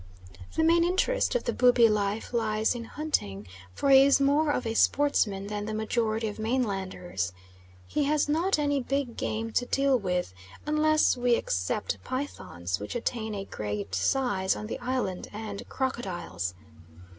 The main interest of the Bubi's life lies in hunting, for he is more of a sportsman than the majority of mainlanders. He has not any big game to deal with, unless we except pythons which attain a great size on the island and crocodiles.